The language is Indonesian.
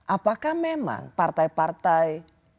apakah memang partai partai